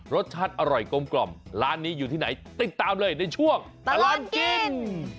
รสชาติอร่อยกลมร้านนี้อยู่ที่ไหนติดตามเลยในช่วงตลอดกิน